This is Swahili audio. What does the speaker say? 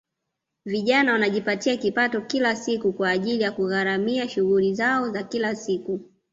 Vijana wanajipatia kipato kila siku kwa ajili ya kugharimia shughuli zao za kila siku